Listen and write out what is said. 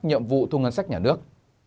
nhiệm vụ thu ngân sách nhà nước